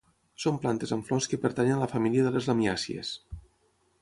Són plantes amb flors que pertanyen a la família de les lamiàcies.